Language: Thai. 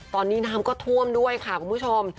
ตอนนี้น้ำก็ท่วมด้วยค่ะคุณผู้ชม